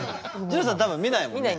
二朗さん多分見ないもんね。